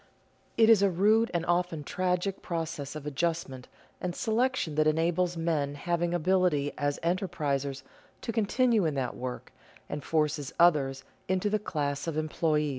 It is a rude and often tragic process of adjustment and selection that enables men having ability as enterprisers to continue in that work, and forces others into the class of employees.